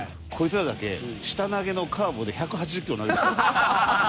こいつらだけ下投げのカーブで１８０キロ投げた。